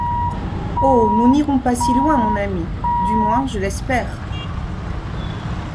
Oh! nous n’irons pas si loin, mon ami ; du moins, je l’espère.